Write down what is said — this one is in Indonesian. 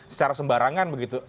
secara sembarangan begitu